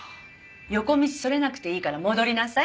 横道それなくていいから戻りなさい。